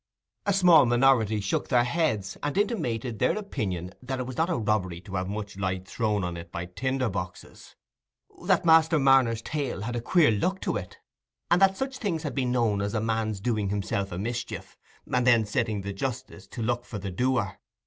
A small minority shook their heads, and intimated their opinion that it was not a robbery to have much light thrown on it by tinder boxes, that Master Marner's tale had a queer look with it, and that such things had been known as a man's doing himself a mischief, and then setting the justice to look for the doer.